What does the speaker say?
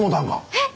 えっ！